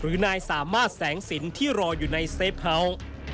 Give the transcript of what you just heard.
หรือนายสามหมากแสงสินที่รออยู่ในเซฟเฮ้า